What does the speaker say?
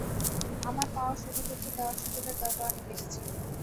আমার পাওয়ার সুযোগের চেয়ে দেওয়ার সুযোগের দরকার অনেক বেশি ছিল।